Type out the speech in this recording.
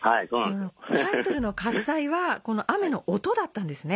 タイトルの「喝采」はこの雨の音だったんですね。